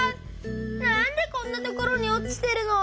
なんでこんなところにおちてるの？